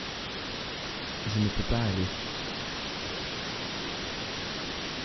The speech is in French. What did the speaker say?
je ne peux pas aller.